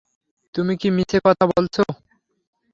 তুমি মিছে কথা বলেছ।